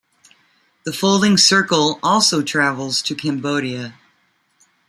The Folding Circle also travels to Cambodia.